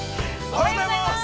◆おはようございます。